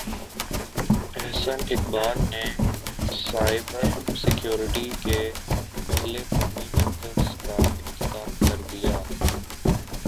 احسن اقبال نے cyber security کے پہلے قومی مرکز کا افتتاح کر دیا